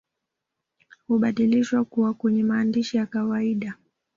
Hubadilishwa kuwa kwenye maandishi ya kawaida